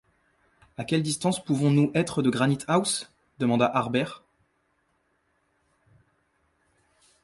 À quelle distance pouvons-nous être de Granite-house? demanda Harbert.